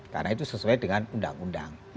karena itu sesuai dengan undang undang